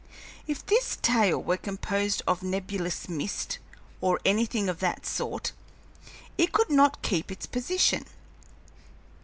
If this tail were composed of nebulous mist, or anything of that sort, it could not keep its position.